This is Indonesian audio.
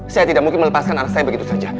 saya tidak mungkin melepaskan anak saya begitu saja